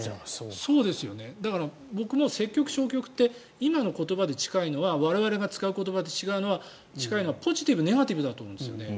だから、僕も積極、消極って今の言葉で近いのは我々が使う言葉で近いのはポジティブ、ネガティブだと思うんですね。